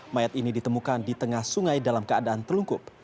mayat ini ditemukan di tengah sungai dalam keadaan telungkup